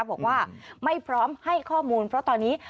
บอกว่าไม่พร้อมให้ข้อมูลเพราะตอนนี้